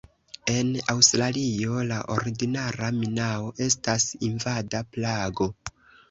En Aŭstralio, la ordinara minao estas invada plago.